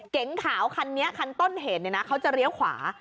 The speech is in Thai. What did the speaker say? เก๋งขาวคันนี้คันต้นเหตุเนี่ยนะเขาจะเลี้ยวขวา